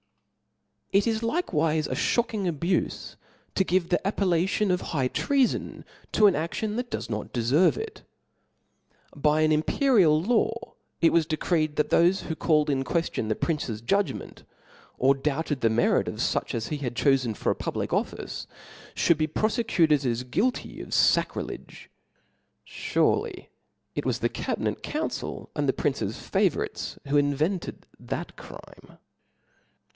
TT is likewife a (hocking abufe to give the ap • pellation of high treafon to an aftion that does not deferve it. By an imperial law "^j it was decreed that thofe who called in queftion the prince's judg ment, or doubted of the merit of fuch as he had chofen for a public office, (hould be profecuted • as guilty of facrilegef . Surely it was the cabinet coun cil and the prince's favourites who invented that crime.